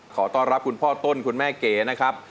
ขอต้อนรับคุณพ่อต้นคุณแม่เก๋นะครับ